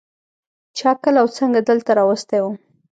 چا کله او څنگه دلته راوستى وم.